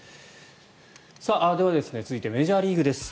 では続いてメジャーリーグです。